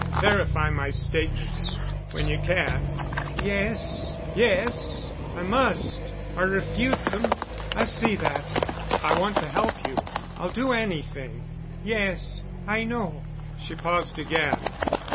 Verify my statements, when you can——" "Yes, yes. I must—or refute them. I see that." "I want to help you. I'll do anything——" "Yes. I know—" she paused again.